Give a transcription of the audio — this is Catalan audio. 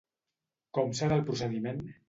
Com serà el procediment?